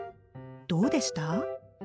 どうでした？